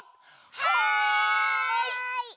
はい！